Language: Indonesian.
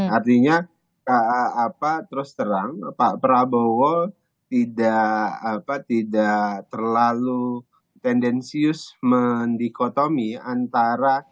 artinya terus terang pak prabowo tidak terlalu tendensius mendikotomi antara